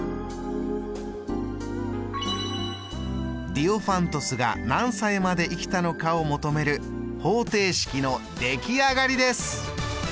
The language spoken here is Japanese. ディオファントスが何歳まで生きたのかを求める方程式の出来上がりです。